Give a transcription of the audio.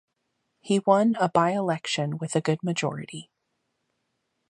He won a by-election with a good majority.